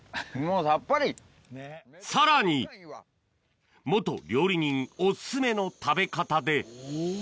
さらに料理人お薦めの食べ方でおぉ。